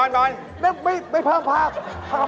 นั่นไม่เพิ่มภาพภาคม้าหน่อย